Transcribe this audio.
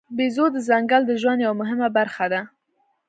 بیزو د ځنګل د ژوند یوه مهمه برخه ده.